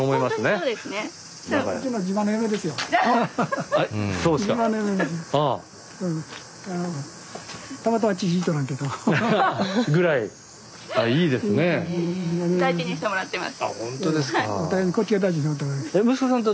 こっちが大事にしてもらってます。